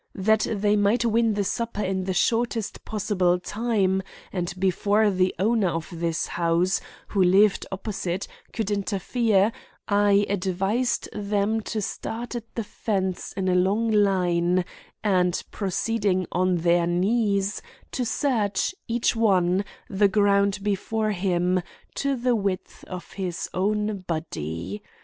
That they might win the supper in the shortest possible time and before the owner of this house, who lived opposite, could interfere, I advised them to start at the fence in a long line and, proceeding on their knees, to search, each one, the ground before him to the width of his own body.